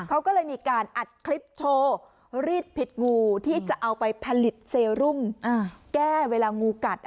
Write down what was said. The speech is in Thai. เขาก็เลยมีการอัดคลิปโชว์รีดผิดงูที่จะเอาไปผลิตเซรุมแก้เวลางูกัด